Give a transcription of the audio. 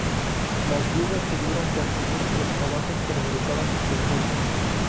Las viudas tuvieron que asumir los trabajos que realizaban sus esposos.